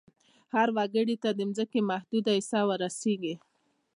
هر وګړي ته د ځمکې محدوده حصه ور رسیږي.